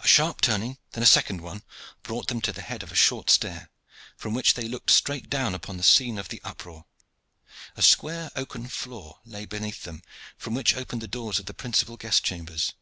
A sharp turning, and then a second one, brought them to the head of a short stair, from which they looked straight down upon the scene of the uproar. A square oak floored hall lay beneath them, from which opened the doors of the principal guest chambers.